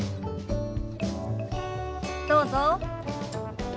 どうぞ。